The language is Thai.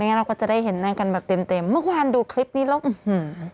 เราก็จะได้เห็นหน้ากันแบบเต็มเต็มเมื่อวานดูคลิปนี้แล้วอื้อหือ